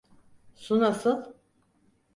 Su nasıl?